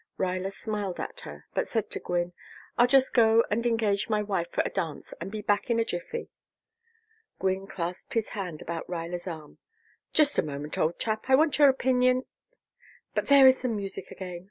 Ruyler smiled at her, but said to Gwynne: "I'll just go and engage my wife for a dance and be back in a jiffy " Gwynne clasped his hand about Ruyler's arm. "Just a moment, old chap. I want your opinion " "But there is the music again.